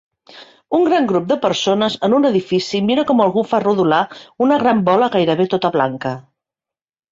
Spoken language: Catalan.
Un gran grup de persones en un edifici mira com algú fa rodolar una gran bola gairebé tota blanca.